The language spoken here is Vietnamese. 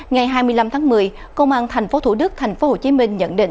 ngày hai mươi năm tháng một mươi công an thành phố thủ đức thành phố hồ chí minh nhận định